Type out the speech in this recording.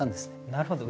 なるほど。